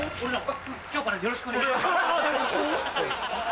今日からよろしくお願いします。